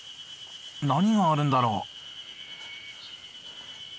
何があるんだろう？